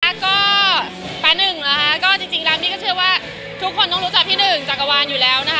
แล้วก็ป๊าหนึ่งเหรอคะก็จริงแล้วพี่ก็เชื่อว่าทุกคนต้องรู้จักพี่หนึ่งจักรวาลอยู่แล้วนะคะ